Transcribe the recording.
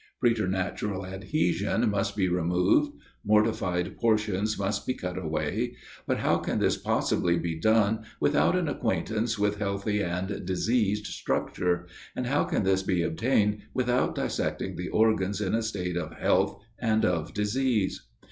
Preternatural adhesion must be removed; mortified portions must be cut away: but how can this possibly be done without an acquaintance with healthy and diseased structure, and how can this be obtained without dissecting the organs in a state of health and of disease?